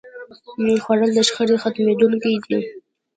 خوړل د شخړې ختموونکی دی